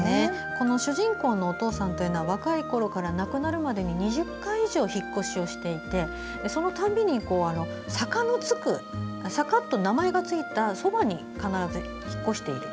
主人公のお父さんは若いころから亡くなるまでに２０回以上引っ越しをしていてそのたびに坂と名前がついたところのそばに必ず引っ越している。